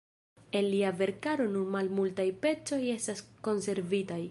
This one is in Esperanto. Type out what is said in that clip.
El lia verkaro nur malmultaj pecoj estas konservitaj.